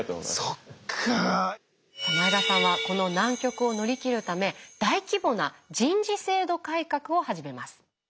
前田さんはこの難局を乗り切るため大規模な人事制度改革を始めます。